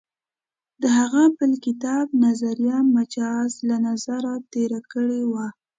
د هغه بل کتاب «نظریه مجاز» له نظره تېر کړی و.